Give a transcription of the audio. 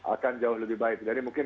akan jauh lebih baik dari mungkin